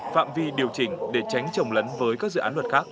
phạm vi điều chỉnh để tránh trồng lấn với các dự án luật khác